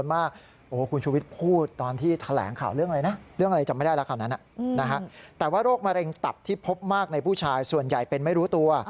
แต่ว่าโรคมะเร็งตับที่พบมากในผู้ชายส่วนใหญ่เป็นไม่รู้ตัว